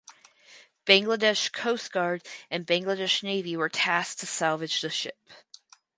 Bangladesh Coast Guard and Bangladesh Navy were tasked to salvage the ship.